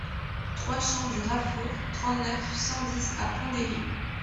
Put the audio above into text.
trois champ du Rafourg, trente-neuf, cent dix à Pont-d'Héry